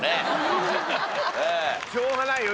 しょうがないよ